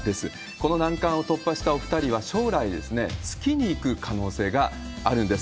この難関を突破したお２人は将来、月に行く可能性があるんです。